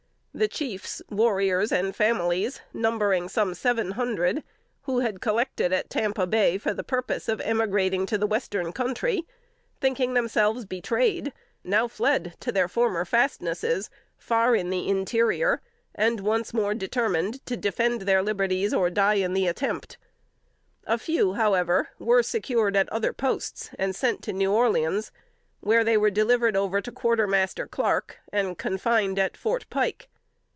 The chiefs, warriors and families, numbering some seven hundred, who had collected at Tampa Bay for the purpose of emigrating to the western country, thinking themselves betrayed, now fled to their former fastnesses, far in the interior, and once more determined to defend their liberties or die in the attempt. A few, however, were secured at other posts, and sent to New Orleans, where they were delivered over to Quarter Master Clark, and confined at "Fort Pike."